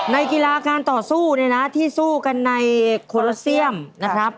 กีฬาการต่อสู้เนี่ยนะที่สู้กันในโคโลเซียมนะครับ